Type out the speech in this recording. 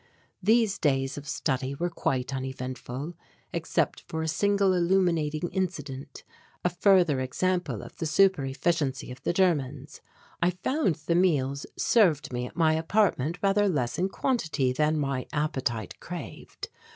These days of study were quite uneventful, except for a single illuminating incident; a further example of the super efficiency of the Germans. I found the meals served me at my apartment rather less in quantity than my appetite craved.